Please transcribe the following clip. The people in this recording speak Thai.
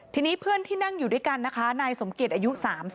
ทีนี้เพื่อนที่นั่งอยู่ด้วยกันนะคะนายสมเกียจอายุ๓๒